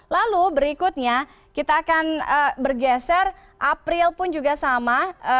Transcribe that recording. lalu berikutnya kita akan bergeser april pun juga sama